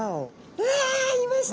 うわいました。